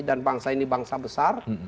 dan bangsa ini bangsa besar